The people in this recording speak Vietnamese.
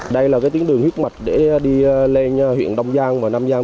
đây là cái tuyến đường huyết mạch để đi lên huyện đông giang và nam giang